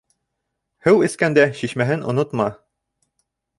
Һыу эскәндә, шишмәһен онотма.